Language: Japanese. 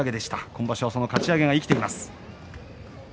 今場所はそのかち上げが生きています。